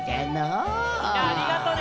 ・ありがとね。